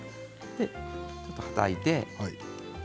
ちょっと、はたいて。